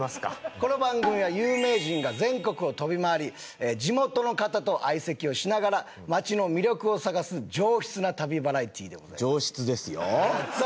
この番組は有名人が全国を飛び回り地元の方と相席をしながら街の魅力を探す上質な旅バラエティでございます上質ですよさあ